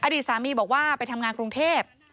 อดีตสามีบอกว่าไปทำงานกรุงเทพ